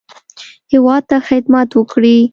هیواد ته خدمت وکړي.